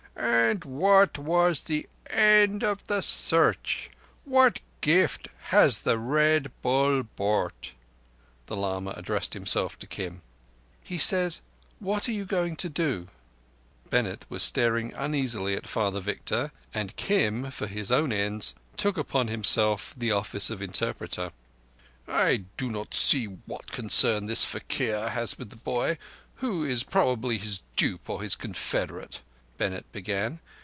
"And what was the end of the Search? What gift has the Red Bull brought?" The lama addressed himself to Kim. "He says, 'What are you going to do?'" Bennett was staring uneasily at Father Victor, and Kim, for his own ends, took upon himself the office of interpreter. "I do not see what concern this faquir has with the boy, who is probably his dupe or his confederate," Bennett began.